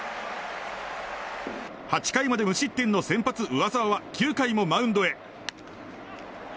８回まで無失点の先発、上沢は９回もマウンドへ。